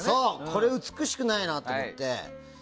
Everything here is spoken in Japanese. これ、美しくないなと思って。